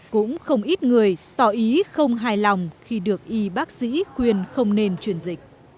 cũng không ít người tỏ ý không hài lòng khi được y bác sĩ khuyên không nên truyền dịch